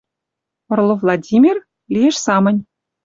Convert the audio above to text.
Орлов Владимир? Лиэш самынь.